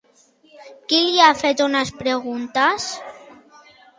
Qui li ha fet unes preguntes?